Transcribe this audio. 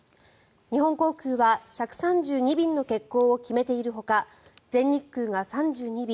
日本航空は１３２便の欠航を決めているほか全日空が３２便